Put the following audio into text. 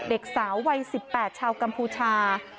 เด็กสาววัย๑๘ชาวกัมพูชา